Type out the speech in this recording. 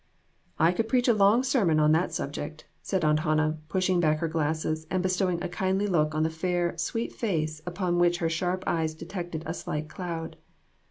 "I could preach a long sermon on that sub ject," said Aunt Hannah, pushing back her glasses and bestowing a kindly look on the fair, sweet face upon which her sharp eyes detected a slight cloud.